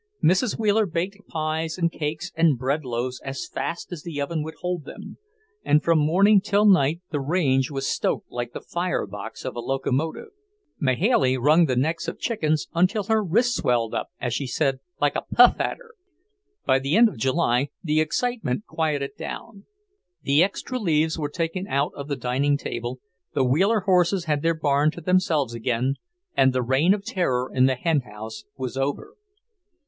Mrs. Wheeler baked pies and cakes and bread loaves as fast as the oven would hold them, and from morning till night the range was stoked like the fire box of a locomotive. Mahailey wrung the necks of chickens until her wrist swelled up, as she said, "like a puff adder." By the end of July the excitement quieted down. The extra leaves were taken out of the dining table, the Wheeler horses had their barn to themselves again, and the reign of terror in the henhouse was over.